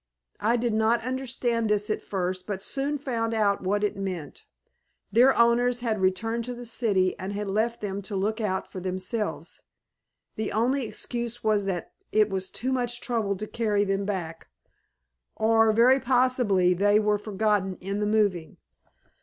I did not understand this at first but soon found out what it meant. Their owners had returned to the city and had left them to look out for themselves; the only excuse was that it was too much trouble to carry them back or, very possibly they were forgotten in the moving.